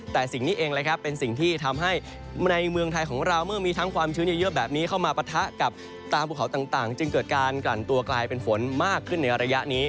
แต่สิ่งนี้เองเลยครับเป็นสิ่งที่ทำให้ในเมืองไทยของเราเมื่อมีทั้งความชื้นเยอะแบบนี้เข้ามาปะทะกับตามภูเขาต่างจึงเกิดการกลั่นตัวกลายเป็นฝนมากขึ้นในระยะนี้